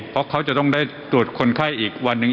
เพราะเขาจะต้องได้ตรวจคนไข้อีกวันหนึ่ง